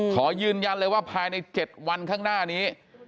ขอยืนยันเลยว่าภายใน๗วันข้างหน้านี้